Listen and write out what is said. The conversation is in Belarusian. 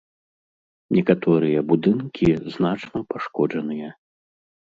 Некаторыя будынкі значна пашкоджаныя.